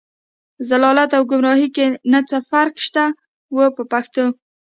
ضلالت او ګمراهۍ کې نه څه فرق و په پښتو ژبه.